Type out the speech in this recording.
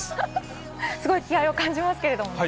すごい気合を感じますけれど。